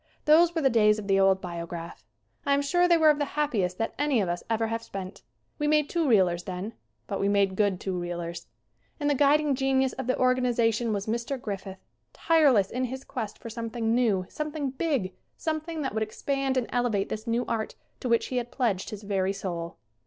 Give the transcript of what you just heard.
Those were the days of the old Biograph. I am sure they were of the happiest that any of us ever have spent. We made two reelers then. But we made good two reelers. And the guid ing genius of the organization was Mr. Griffith, tireless in his quest for something new, some thing big, something that would expand and elevate this new art to which he had pledged his very soul.